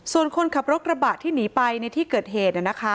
ส่วนคนขับรถกระบะที่หนีไปในที่เกิดเหตุ